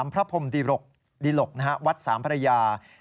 พระพรมดิหลกวัดสามพระยา